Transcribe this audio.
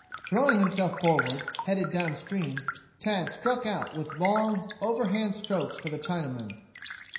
Throwing himself forward, headed downstream, Tad struck out with long, overhand strokes for the Chinaman.